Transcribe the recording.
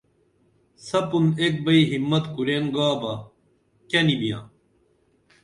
سپُن ایک بئی ہمت کُرین گا بہ کیہ نی بیاں